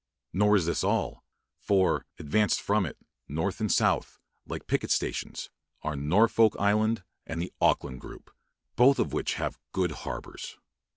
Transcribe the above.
Nor is this all; for, advanced from it, north and south, like picket stations, are Norfolk Island, and the Auckland group, both of which have good harbours.